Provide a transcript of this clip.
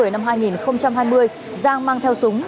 năm hai nghìn hai mươi giang mang theo súng